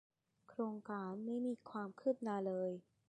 โครงการไม่มีความคืบหน้าเลย